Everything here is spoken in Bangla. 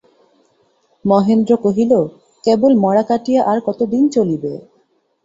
মহেন্দ্র কহিল, কেবল মড়া কাটিয়া আর কত দিন চলিবে।